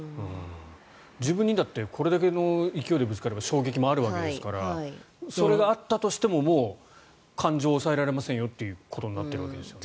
自分にだってこれだけの勢いでぶつかれば衝撃があるわけですからそれがあったとしてももう感情を抑えられませんよということになっているわけですよね。